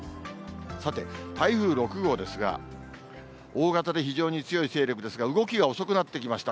さて、台風６号ですが、大型で非常に強い勢力ですが、動きが遅くなってきました。